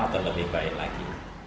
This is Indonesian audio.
atau lebih baik lagi